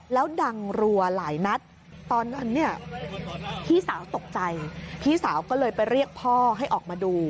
แล้วดังรัวหลายนัดตอนนั้นเนี่ยพี่สาวตกใจพี่สาวก็เลยไปเรียกพ่อให้ออกมาดู